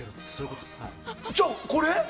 じゃあこれ？